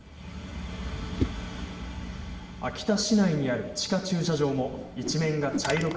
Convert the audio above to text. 秋田市内にある地下駐車場も一面が茶色く